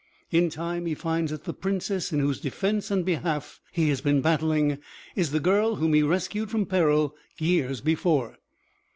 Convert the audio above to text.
In time he finds that the princess in whose defense and behalf he has been battling is the girl whom he rescued from peril years before.